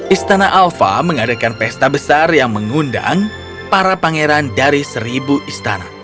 istana alfa mengadakan pesta besar yang mengundang para pangeran dari seribu istana